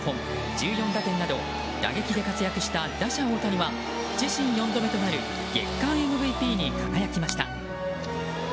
１４打点など打撃で活躍した打者・大谷は自身４度目となる月間ＭＶＰに輝きました。